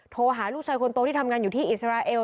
โทรหาลูกชายคนโตที่ทำงานอยู่ที่อิสราเอล